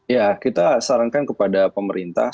ya kita sarankan kepada pemerintah